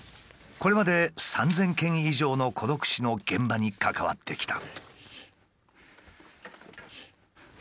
これまで３，０００件以上の孤独死の現場に関わってきた。